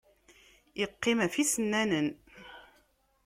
Yeqqim ɣef yisennanen.